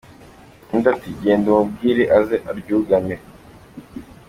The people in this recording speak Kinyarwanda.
" Undi ati: «Genda umubwire aze aryugame.